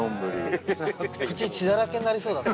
口血だらけになりそうだな。